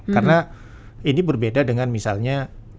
karena ini berbeda dengan misalnya